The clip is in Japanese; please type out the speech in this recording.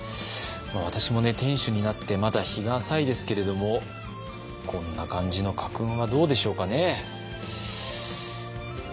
私もね店主になってまだ日が浅いですけれどもこんな感じの家訓はどうでしょうかね。